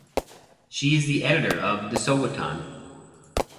She is editor of "The Sowetan".